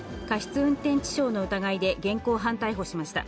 運転致傷の疑いで現行犯逮捕しました。